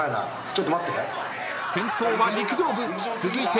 ちょっと待って。